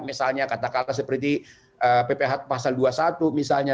misalnya katakanlah seperti pph pasal dua puluh satu misalnya